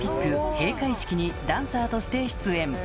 閉会式にダンサーとして出演